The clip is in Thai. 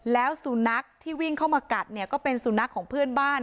แล้วสุนัขที่วิ่งเข้ามากัดเนี่ยก็เป็นสุนัขของเพื่อนบ้าน